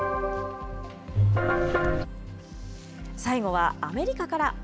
最後はアメリカから。